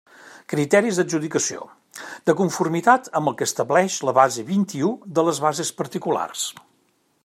Criteris d'adjudicació: de conformitat amb el que establix la base vint-i-u de les bases particulars.